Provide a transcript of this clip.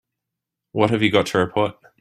What have you got to report?